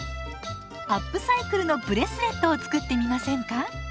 アップサイクルのブレスレットを作ってみませんか？